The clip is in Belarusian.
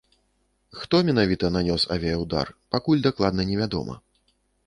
Хто менавіта нанёс авіяўдар, пакуль дакладна не вядома.